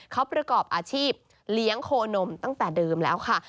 เขาประกอบอาชีพเลี้ยงโคนมตั้งแต่เดิมแล้วค่ะ